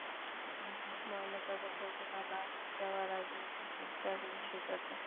ময়নাতদন্তের জন্য লাশ যাওয়ার আগেই ওষুধটা মিশে যাবে।